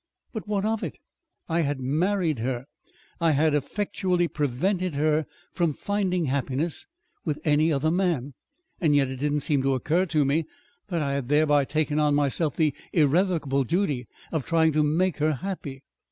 But what of it? I had married her. I had effectually prevented her from finding happiness with any other man; yet it didn't seem to occur to me that I had thereby taken on myself the irrevocable duty of trying to make her happy.